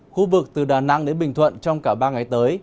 khu vực từ đà nẵng đến bình thuận trong cả ba ngày tới